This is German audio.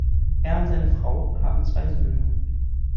Er und seine Frau haben zwei Söhne.